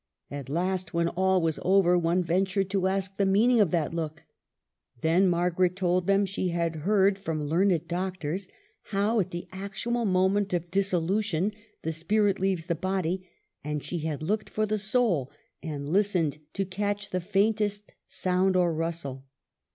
At last, when all was over, one ventured to ask the meaning of that look. Then Margaret told them she had heard from learned doctors how at the actual moment of dissolution the spirit leaves the body, and she had looked for the soul and listened to catch the faintest sound or rustle.